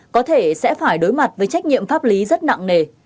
có thể sẽ phải đối mặt với trách nhiệm pháp lý rất nặng nề